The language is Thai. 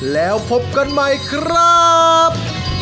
แล้วพบกันใหม่ครับ